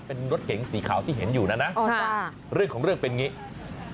เป็นรถเก๋งสีขาวที่เห็นอยู่นะนะเรื่องของเรื่องเป็นอย่างนี้